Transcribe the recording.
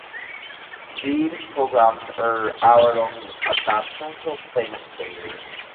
These programs are hour-long adaptations of famous plays.